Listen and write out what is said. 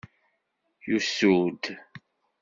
Yusu-d.